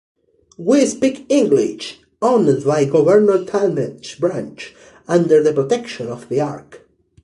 We speak English!!owned by Governor Talmadge Branch!!under the protection of the Arch!!